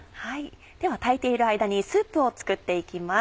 では炊いている間にスープを作って行きます。